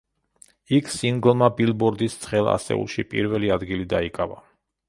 იქ სინგლმა ბილბორდის ცხელ ასეულში პირველი ადგილი დაიკავა.